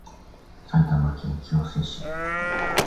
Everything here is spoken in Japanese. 埼玉県清瀬市